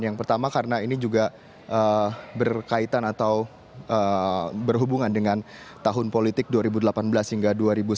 yang pertama karena ini juga berkaitan atau berhubungan dengan tahun politik dua ribu delapan belas hingga dua ribu sembilan belas